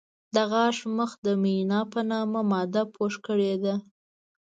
د غاښ مخ د مینا په نامه ماده پوښ کړی دی.